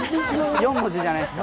４文字じゃないですか！